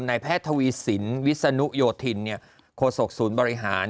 แพทย์ทวีสินวิศนุโยธินโคศกศูนย์บริหาร